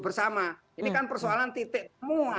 bersama ini kan persoalan titik semua